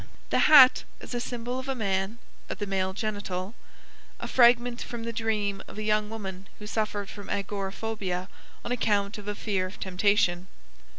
The hat as a symbol of the man (of the male genital): (a fragment from the dream of a young woman who suffered from agoraphobia on account of a fear of temptation).